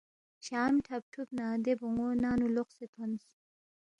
شام ٹھب ٹھوب نہ دے بون٘و ننگ نُو لوقسے تھونس